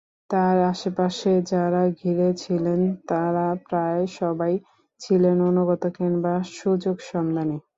তাঁর আশপাশে যাঁরা ঘিরে ছিলেন, তাঁরা প্রায় সবাই ছিলেন অনুগত কিংবা সুযোগসন্ধানী।